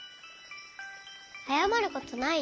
あやまることないよ。